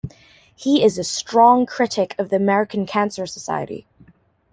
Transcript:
He is a strong critic of the American Cancer Society.